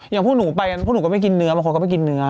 อย่างพวกหนูไปกันพวกหนูก็ไม่กินเนื้อบางคนก็ไปกินเนื้อ